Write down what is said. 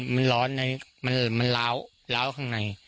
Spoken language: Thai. มันร้อนมันล้าวข้างใน